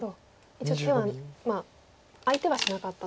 一応相手はしなかったと。